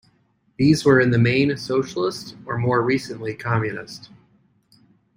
These were in the main socialist, or more recently communist.